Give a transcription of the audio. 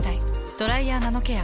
「ドライヤーナノケア」。